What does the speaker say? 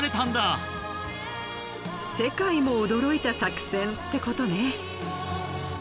世界も驚いた作戦ってことね。